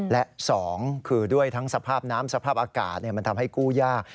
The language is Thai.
และ๒คือด้วยทั้งสภาพน้ำสภาพอากาศมันทำให้กู้ยาก